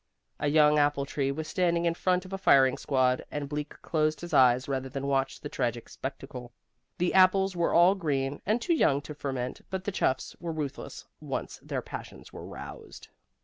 A young apple tree was standing in front of a firing squad, and Bleak closed his eyes rather than watch the tragic spectacle. The apples were all green, and too young to ferment, but the chuffs were ruthless once their passions were roused.